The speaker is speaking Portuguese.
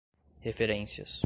referências